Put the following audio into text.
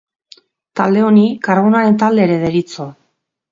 Talde honi karbonoaren talde ere deritzo.